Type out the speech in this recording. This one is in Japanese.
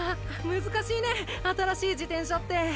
難しいね新しい自転車って。